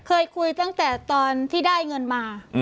เคยคุยตั้งแต่ตอนที่ได้เงินมา